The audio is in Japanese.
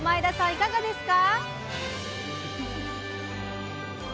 いかがですか？